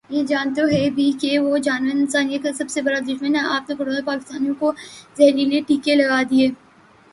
یہ جانتے ہوئے بھی کہ وہ جانور انسانیت کا سب سے بڑا دشمن ہے آپ نے کروڑوں پاکستانیوں کو زہریلے ٹیکے لگا دیے۔۔